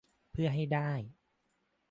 เพื่อให้ได้